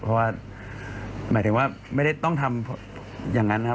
เพราะว่าหมายถึงว่าไม่ได้ต้องทำอย่างนั้นนะครับ